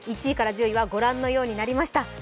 １位から１０位は御覧のようになりました。